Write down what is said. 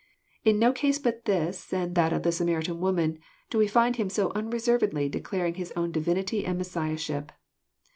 In no case but this, and that of the Samaritan woman, do we find Him so unreservedly declaring His own Divinity and Messiahship.